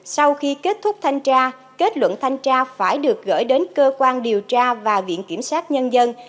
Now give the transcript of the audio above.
sau khi kết thúc thanh tra kết luận thanh tra phải được gửi đến cơ quan điều tra và viện kiểm sát nhân dân